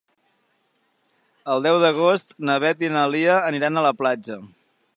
El deu d'agost na Beth i na Lia aniran a la platja.